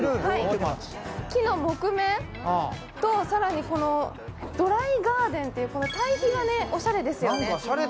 木の木目と更にドライガーデンという対比がおしゃれですよね。